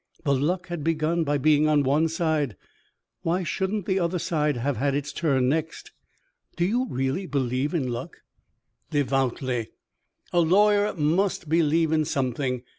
The luck had begun by being on one side why shouldn't the other side have had its turn next?" "Do you really believe in luck?" "Devoutly. A lawyer must believe in something.